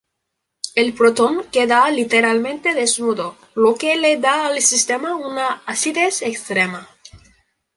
El protón queda literalmente "desnudo", lo que le da al sistema una acidez extrema.